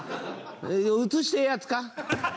映してええやつか？